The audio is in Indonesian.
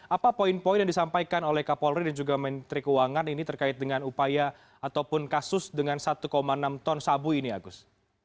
apa poin poin yang disampaikan oleh kapolri dan juga menteri keuangan ini terkait dengan upaya ataupun kasus dengan satu enam ton sabu ini agus